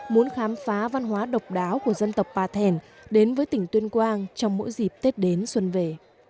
muốn khám phá văn hóa độc đáo của dân tộc bà thèn đến với tỉnh tuyên quang trong mỗi dịp tết đến xuân về